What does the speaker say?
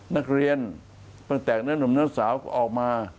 นักเรียนตั้งแต่เนื้อหนุ่มเนื้อสาวก็ออกมา